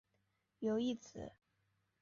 有一子。